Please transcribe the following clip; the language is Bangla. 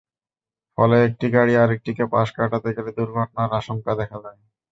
ফলে একটি গাড়ি আরেকটিকে পাশ কাটাতে গেলে দুর্ঘটনার আশঙ্কা দেখা দেয়।